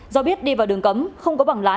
do biết đi vào đường cấm không có bằng lái